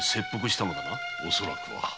恐らくは。